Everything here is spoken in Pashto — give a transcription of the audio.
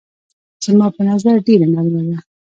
زما په نظر ډېره نرمه ده.